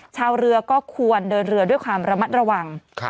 ชาวเรือก็ควรเดินเรือด้วยความระมัดระวัง